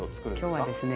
今日はですね